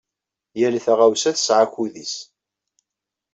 Yal taɣawsa tesɛa akud-is.